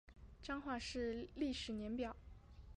彰化市历史年表